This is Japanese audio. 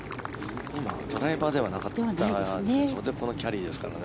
今ドライバーではなくてこのキャリーですからね。